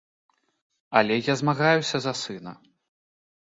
Але я змагаюся за сына.